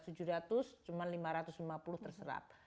cuma lima ratus lima puluh terserap